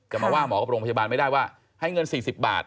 จะมาว่าหมอกับโรงพยาบาลไม่ได้ว่าให้เงิน๔๐บาท